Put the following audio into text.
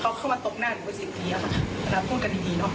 เขาเข้ามาตบหน้าหนูอีก๑๐ทีอะค่ะแล้วพูดกันดีเนอะ